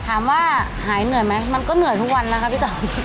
ถามว่าหายเหนื่อยไหมมันก็เหนื่อยทุกวันนะคะพี่ต่อ